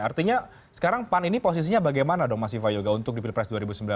artinya sekarang pan ini posisinya bagaimana dong mas viva yoga untuk di pilpres dua ribu sembilan belas